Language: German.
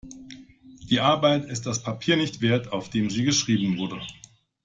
Die Arbeit ist das Papier nicht wert, auf dem sie geschrieben wurde.